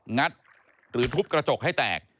งัดหรือทุบกระจกให้แตก